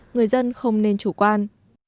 người dân không nên chủ quan